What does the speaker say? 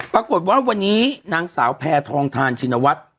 ปรากฏว่าวันนี้นางสาวแพทองทานชินวัฒน์